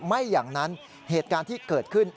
ไม่อย่างนั้นเหตุการณ์ที่เกิดขึ้น